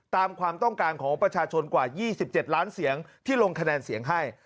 ตามความต้องการของประชาชนกว่า๒๗ล้านเสียงที่ลงคะแนนเสียงให้